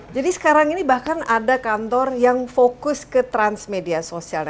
sekarang ini bahkan ada kantor yang fokus ke transmedia sosialnya